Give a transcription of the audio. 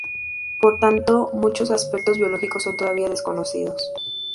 Por tanto muchos aspectos biológicos son todavía desconocidos.